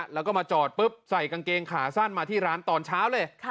แล้วก็มาจอดปุ๊บใส่กางเกงขาสั้นมาที่ร้านตอนเช้าเลย